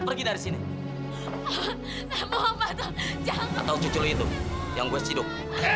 mereka itu siapa pak